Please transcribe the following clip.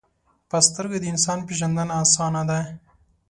په سترګو د انسان پیژندنه آسانه ده